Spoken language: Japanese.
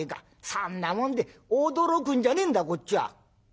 そんなもんで驚くんじゃねえんだこっちは」。